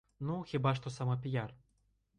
Ну, хіба што самапіяр.